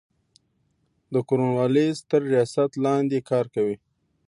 د کورن والیس تر ریاست لاندي کار کوي.